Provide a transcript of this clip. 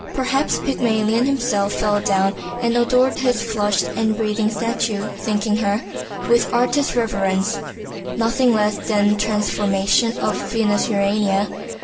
Perhaps Pygmalion himself fell down and adored his flushed and breathing statue, thinking her, with artist reverence, nothing less than a transformation of Venus Urania.